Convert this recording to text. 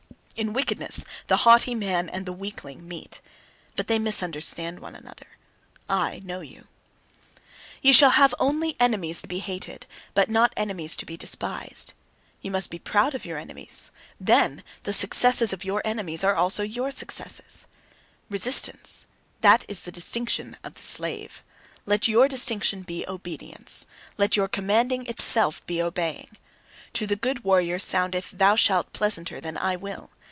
In wickedness the haughty man and the weakling meet. But they misunderstand one another. I know you. Ye shall only have enemies to be hated, but not enemies to be despised. Ye must be proud of your enemies; then, the successes of your enemies are also your successes. Resistance that is the distinction of the slave. Let your distinction be obedience. Let your commanding itself be obeying! To the good warrior soundeth "thou shalt" pleasanter than "I will."